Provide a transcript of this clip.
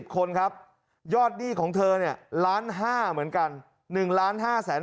คนครับยอดหนี้ของเธอเนี่ยล้าน๕เหมือนกัน๑ล้าน๕แสน